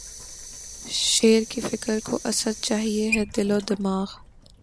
شعر کی فکر کو اسدؔ! چاہیے ہے دل و دماغ